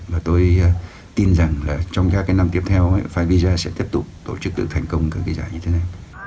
và tôi tin rằng là trong các cái năm tiếp theo favija sẽ tiếp tục tổ chức được thành công các cái giải như thế này